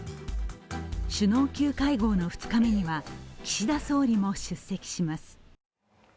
首脳級会合の２日目には岸田総理も出席します。